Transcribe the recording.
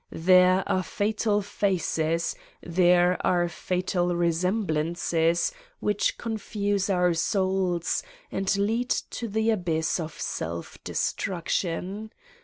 There are fatal faces, there are fatal resemblances which confuse our souls and lead to the abyss of self destruction.